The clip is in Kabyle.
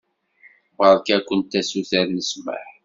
Beṛka-kent asuter n ssmaḥ.